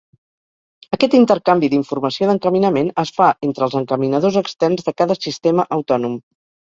Aquest intercanvi d'informació d'encaminament es fa entre els encaminadors externs de cada sistema autònom.